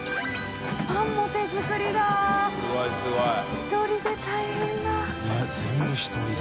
一人で大変だ。